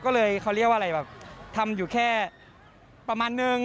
ก็เลยเขาเรียกว่าอะไรแบบทำอยู่แค่ประมาณนึง